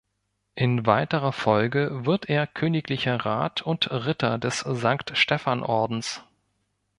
In weiterer Folge wird er königlicher Rat und Ritter des Sankt Stephan Ordens.